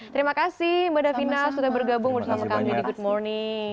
terima kasih mbak davina sudah bergabung bersama kami di good morning